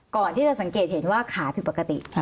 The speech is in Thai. ก่อนที่จะสังเกตเห็นว่าขาผิดปกติ